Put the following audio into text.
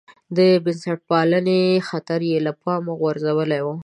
د بنسټپالنې خطر یې له پامه غورځولی و.